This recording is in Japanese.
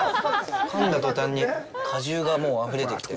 かんだ途端に果汁があふれてきて。